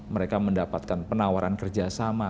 mereka mendapatkan penawaran kerjasama